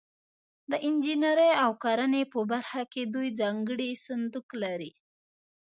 د انجنیري او کرنې په برخه کې دوی ځانګړی صندوق لري.